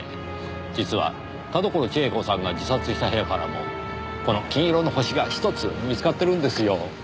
実は田所千枝子さんが自殺した部屋からもこの金色の星が１つ見つかってるんですよ。